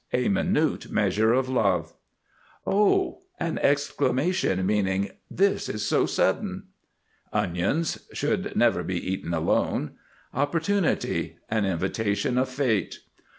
A minute measure of Love. OH! An exclamation meaning "this is so sudden." ONIONS. Should never be eaten alone. OPPORTUNITY. An invitation of Fate.